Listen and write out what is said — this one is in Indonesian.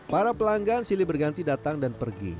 para pelanggan silih berganti datang dan pergi